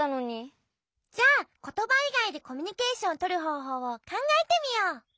じゃあことばいがいでコミュニケーションをとるほうほうをかんがえてみよう！